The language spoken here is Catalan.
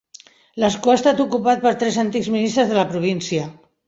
L'escó ha estat ocupat per tres antics ministres de la província.